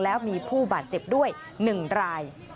แล้วมีผู้บาดเจ็บด้วย๑ราย